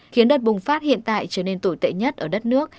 khiến đợt bùng phát hiện tại trở nên tồi tệ nhất ở đất nước